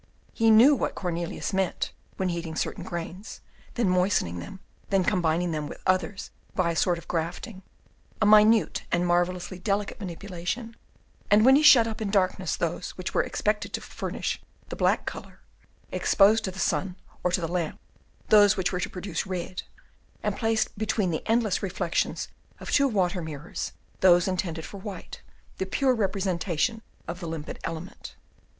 He knew what Cornelius meant when heating certain grains, then moistening them, then combining them with others by a sort of grafting, a minute and marvellously delicate manipulation, and when he shut up in darkness those which were expected to furnish the black colour, exposed to the sun or to the lamp those which were to produce red, and placed between the endless reflections of two water mirrors those intended for white, the pure representation of the limpid element.